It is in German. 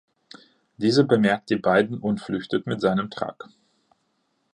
Dieser bemerkt die Beiden und flüchtet mit seinem Truck.